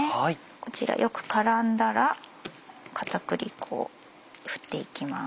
こちらよく絡んだら片栗粉を振っていきます。